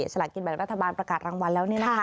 ละกินแบ่งรัฐบาลประกาศรางวัลแล้ว